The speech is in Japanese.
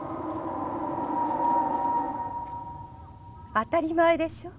当たり前でしょ。